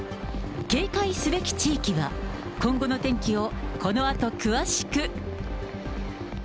警戒すべき地域は、今後の天気をこのあと、詳しく。